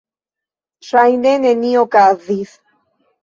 Ŝajne nenio okazis.